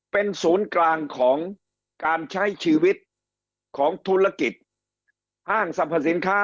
เป็นศูนย์กลางของการใช้ชีวิตของธุรกิจห้างสรรพสินค้า